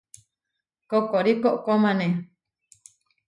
Koʼkóri koʼkómane.